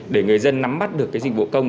để người dân nắm bắt được cái dịch vụ công